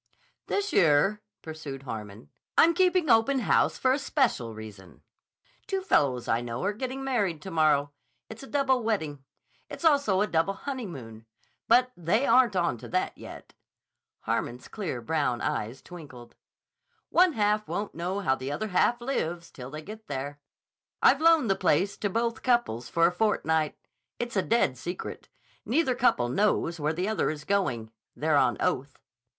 "This year," pursued Harmon, "I'm keeping open house for a special reason. Two fellows I know are getting married to morrow. It's a double wedding. It's also a double honeymoon. But they aren't onto that yet." Harmon's clear brown eyes twinkled. "One half won't know how the other half lives till they get there. I've loaned the place to both couples for a fortnight. It's a dead secret. Neither couple knows where the other is going. They're on oath."